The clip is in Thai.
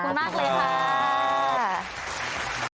ขอบคุณมากเลยค่ะ